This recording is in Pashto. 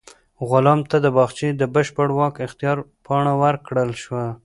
غلام ته د باغچې د بشپړ واک اختیار پاڼه ورکړل شوه.